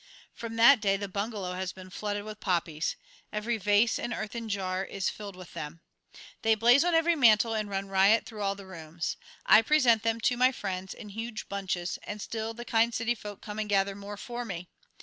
From that day the bungalow has been flooded with poppies. Every vase and earthen jar is filled with them. They blaze on every mantel and run riot through all the rooms. I present them to my friends in huge bunches, and still the kind city folk come and gather more for me.